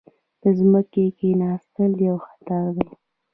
د ځمکې کیناستل یو خطر دی.